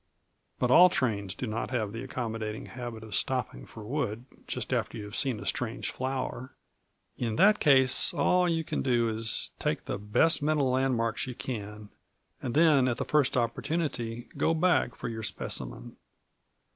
But all trains do not have the accommodating habit of stopping for wood just after you have seen a strange flower; in that case, all that you can do is, take the best mental landmarks you can, and then at the first opportunity go back for your specimen.